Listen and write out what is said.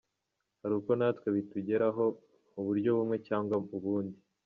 Hari uko natwe bitugeraho, mu buryo bumwe cyangwa ubundi.